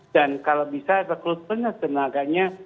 dan kalau bisa rekrutmen dan tenaganya